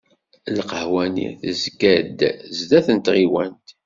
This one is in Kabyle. Lqahwa-nni tezga-d sdat n tɣiwant.